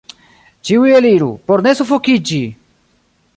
ĉiuj eliru, por ne sufokiĝi!